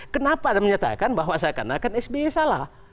kenapa ada menyatakan bahwa saya kandangkan sby salah